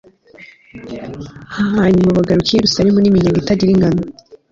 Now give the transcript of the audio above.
hanyuma bagaruka i yeruzalemu n'iminyago itagira ingano